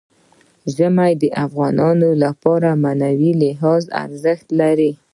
ژمی د افغانانو لپاره په معنوي لحاظ ارزښت لري.